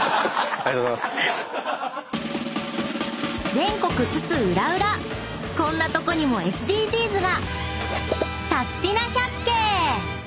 ［全国津々浦々こんなとこにもＳＤＧｓが！］